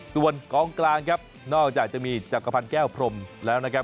ส่วนกองกลางครับนอกจากจะมีจักรพันธ์แก้วพรมแล้วนะครับ